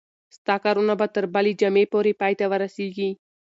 ستا کارونه به تر بلې جمعې پورې پای ته ورسیږي.